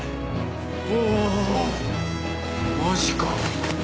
おマジか。